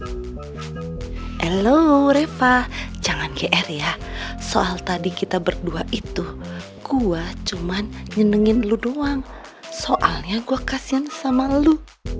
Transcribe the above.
halo reva jangan gr ya soal tadi kita berdua itu gue cuman nyenengin lu doang soalnya gue kasihan sama lu